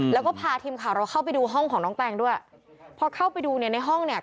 แล้วก็พาทีมข่าวเราเข้าไปดูห้องของน้องแตงด้วยพอเข้าไปดูเนี่ยในห้องเนี่ย